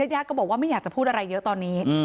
ญาติก็บอกว่าไม่อยากจะพูดอะไรเยอะตอนนี้